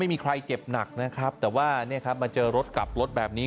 ไม่มีใครเจ็บหนักนะครับแต่ว่าเนี่ยครับมาเจอรถกลับรถแบบนี้